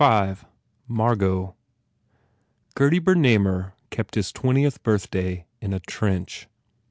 103 V Margot GURDY BERNAMER kept his twenti eth birthday in a trench.